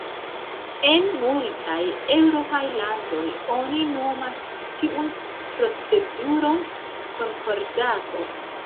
En multaj eŭropaj landoj oni nomas tiun proceduron konkordato.